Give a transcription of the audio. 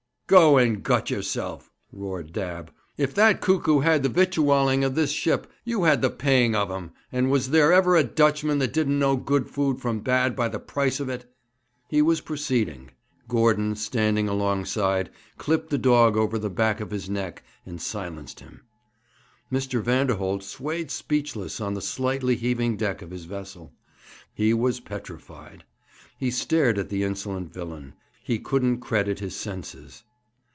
'Go and gut yourself!' roared Dabb. 'If that cuckoo had the victualling of this ship, you had the paying of him; and was there ever a Dutchman that didn't know good food from bad by the price of it?' He was proceeding. Gordon, standing alongside, clipped the dog over the back of his neck, and silenced him. Mr. Vanderholt swayed speechless on the slightly heaving deck of his vessel. He was petrified. He stared at the insolent villain; he couldn't credit his senses.